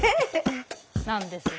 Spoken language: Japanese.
なんですが。